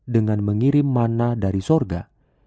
dengan mengirim mana dari sorga